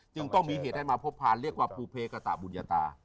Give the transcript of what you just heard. จึงต้องมีเหตุให้มาพบพานเรียกว่าภูเพกตะบุญยตา